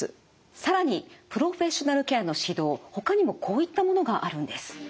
更にプロフェッショナルケアの指導ほかにもこういったものがあるんです。